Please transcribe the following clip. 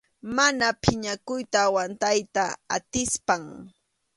Mana phiñakuyta aguantayta atispam.